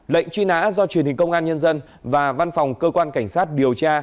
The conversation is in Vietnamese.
lệnh truy nã do truyền hình công an nhân dân và văn phòng cơ quan cảnh sát điều tra